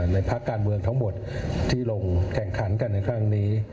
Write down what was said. พักการเมืองทั้งหมดที่ลงแข่งขันกันในครั้งนี้